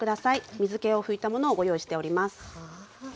水けを拭いたものをご用意しております。